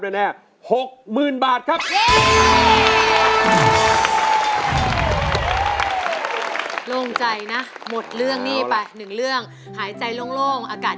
หยุดครับหยุดครับหยุดครับ